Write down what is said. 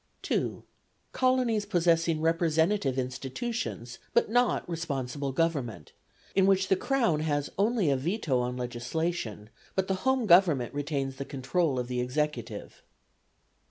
2. Colonies possessing representative institutions, but not responsible government, in which the Crown has only a veto on legislation, but the Home Government retains the control of the executive.